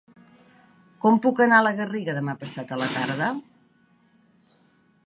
Com puc anar a la Garriga demà passat a la tarda?